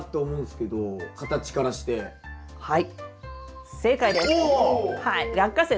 はい。